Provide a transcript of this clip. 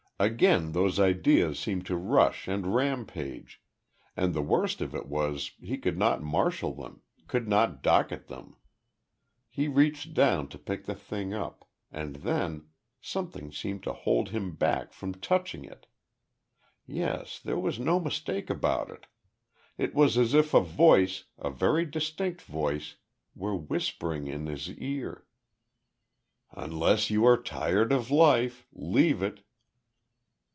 Again those ideas seemed to rush and rampage, and the worst of it was he could not marshal them could not docket them. He reached down to pick the thing up, and then something seemed to hold him back from touching it. Yes, there was no mistake about it. It was as if a voice a very distinct voice were whispering in his ear. "Unless you are tired of life leave it."